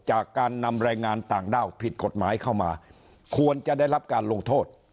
จากการนำแรงงานต่างด้าวผิดกฎหมายเข้ามาควรจะได้รับการลงโทษ